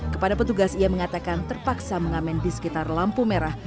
kepada petugas ia mengatakan terpaksa mengamen di sekitar lampu merah